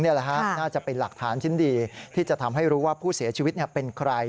น่าจะเป็นหลักฐานชิ้นดีที่จะทำให้รู้ว่าผู้เสียชีวิตเป็นใคร